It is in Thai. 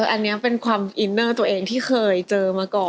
อันนี้เป็นความอินเนอร์ตัวเองที่เคยเจอมาก่อน